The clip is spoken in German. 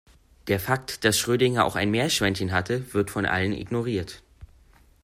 Der Fakt, dass Schrödinger auch ein Meerschweinchen hatte, wird von allen ignoriert.